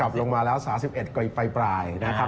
กลับลงมาแล้ว๓๑กลีกลายนะครับ